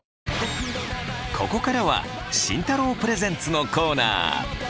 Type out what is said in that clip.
ここからは慎太郎プレゼンツのコーナー。